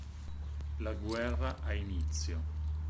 La guerra ha inizio.